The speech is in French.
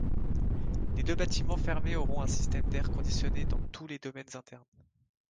Les deux bâtiments fermés auront un système d'air conditionné dans tous les domaines internes.